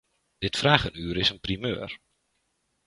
Dit vragenuur is een primeur.